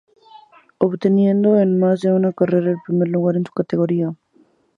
Obteniendo en más de una carrera el primer lugar en su categoría.